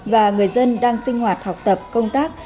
và người dân đang sinh hoạt học tập công tác